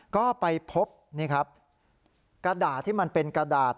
ก็ไปพบนี่ครับกระดาษที่มันเป็นกระดาษ